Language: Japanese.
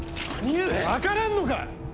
分からんのか！